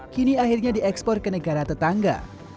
kini akhirnya diekspor ke negara tetangga